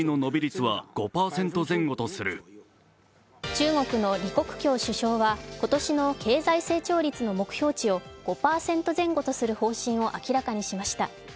中国の李克強首相は、今年の経済成長率の目標値を５％前後とする方針を明らかにしました。